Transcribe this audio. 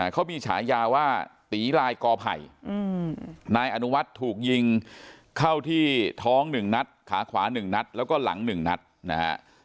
เขามีฉายาว่าตีลายกอไผ่นายอนุวัฒน์ถูกยิงเข้าที่ท้อง๑นัดขาขวา๑นัดแล้วก็หลัง๑นัดนะฮะ